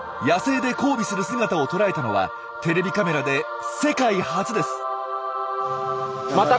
野生で交尾する姿を捉えたのはテレビカメラで世界初です！